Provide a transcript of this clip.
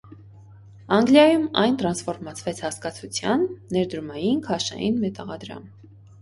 Անգլիայում այն տրանսֆորմացվեց հասկացության (ներդրումային, քաշային մետաղադրամ)։